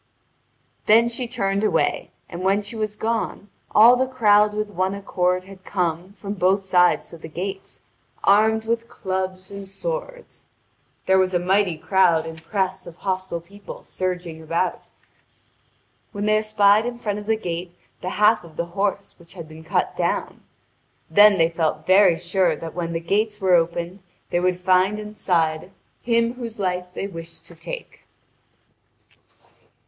Then she turned away, and when she was gone all the crowd with one accord had come from both sides to the gates, armed with clubs and swords. There was a mighty crowd and press of hostile people surging about, when they espied in front of the gate the half of the horse which had been cut down. Then they felt very sure that when the gates were opened they would find inside him whose life they wished to take.